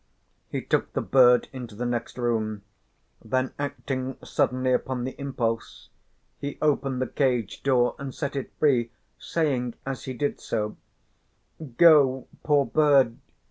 He took the bird into the next room, then acting suddenly upon the impulse, he opened the cage door and set it free, saying as he did so: "Go, poor bird!